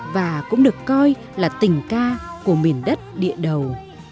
và cũng được coi là tình ca của miền đất địa đầu